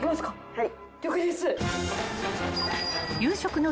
はい。